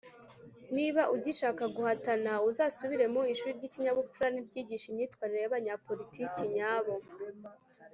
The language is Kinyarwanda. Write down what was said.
Niba ugishaka guhatana, uzasubire mu ishuri ry'ikinyabupfura n'iryigisha imyitwarire y'abanyapolitiki nyabo.